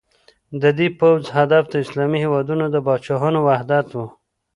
د دې پوځ هدف د اسلامي هېوادونو د پاچاهانو وحدت و.